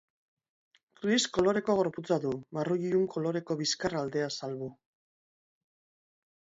Gris koloreko gorputza du, marroi ilun koloreko bizkar aldea salbu.